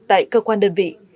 tại cơ quan đơn vị